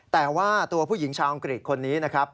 แต่ว่าตัวผู้หญิงชาวอังกฤษคนนี้นะครับ